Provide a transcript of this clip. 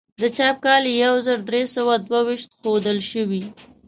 د چاپ کال یې یو زر درې سوه دوه ویشت ښودل شوی.